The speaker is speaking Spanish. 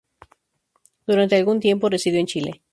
Durante algún tiempo residió en Chile.